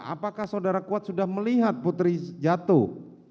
apakah saudara kuat sudah melihat putri jatuh